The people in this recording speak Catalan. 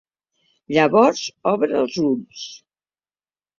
Llavors obre els ulls.